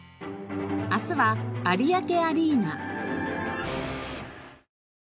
明日は有明アリーナ。